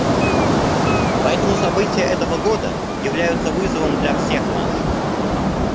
Поэтому события этого года являются вызовом для всех нас.